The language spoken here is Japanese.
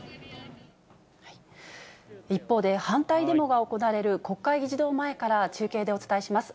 一方で、反対デモが行われる国会議事堂前から中継でお伝えします。